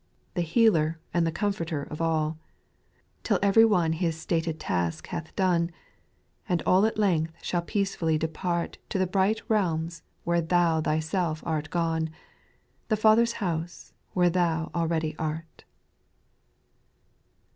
The Healer and the Comforter of all ; Till every one his stated task hath done, And all at length shall peacefully depart To the bright realms where Thou Thyself art gone,— The Father's house where Thou already art.